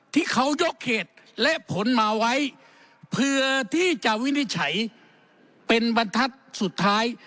ที่เขายกเขตและผลมาไว้เพื่อที่จะวินิจฉัยเป็นบรรทัศน์สุดท้าย